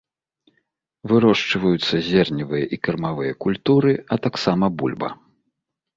Вырошчваюцца зерневыя і кармавыя культуры, а таксама бульба.